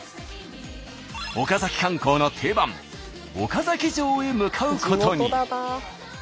岡崎観光の定番岡崎城へ向かうことに。